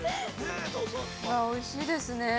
◆おいしいですね。